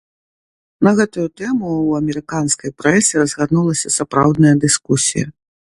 На гэтую тэму ў амерыканскай прэсе разгарнулася сапраўдная дыскусія.